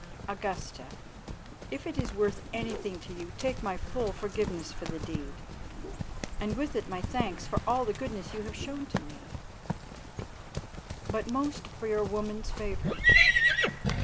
Augusta, if it is worth anything to you, take my full forgiveness for the deed, and with it my thanks for all the goodness you have shown to me, but most for your woman's favour.